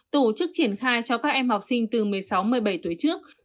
tổ chức triển khai cho các em học sinh từ một mươi sáu một mươi bảy tuổi trước